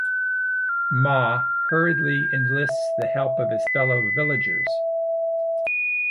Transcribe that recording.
Ma hurriedly enlists the help of his fellow villagers.